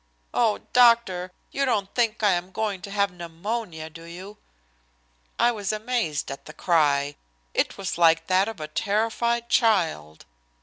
"Oh, doctor, you don't think I am going to have pneumonia, do you?" I was amazed at the cry. It was like that of a terrified child.